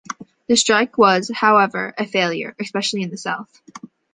The strike was, however, a failure, especially in the South.